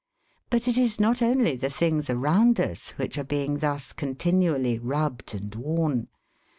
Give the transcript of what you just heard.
But it is not only the things around us which are being thus continually rubbed and worn.